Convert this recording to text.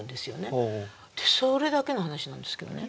それだけの話なんですけどね。